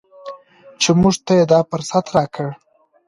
چې موږ ته یې دا فرصت راکړ.